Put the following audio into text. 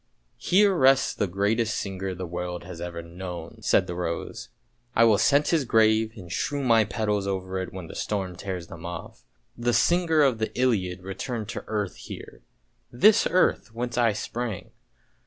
" Here rests the greatest singer the world has ever known! " said the rose. " I will scent his grave and strew my petals over it when the storms tear them off. The singer of the Iliad re turned to earth here, this earth whence I sprang!